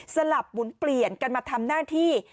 สลับหมุนเปลี่ยนกันมาทำหน้าที่